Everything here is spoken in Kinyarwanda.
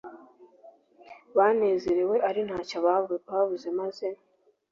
banezerewe ari ntacyo babuze maze